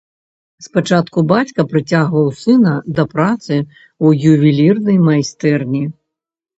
Спачатку бацька прыцягваў сына да працы ў ювелірнай майстэрні.